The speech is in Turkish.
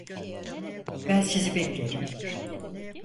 Ben sizi beklerim!